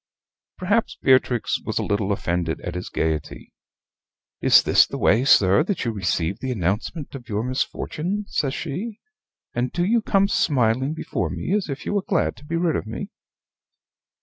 Perhaps Beatrix was a little offended at his gayety. "Is this the way, sir, that you receive the announcement of your misfortune," says she, "and do you come smiling before me as if you were glad to be rid of me?"